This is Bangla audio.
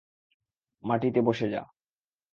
মাটিতে বসে যা।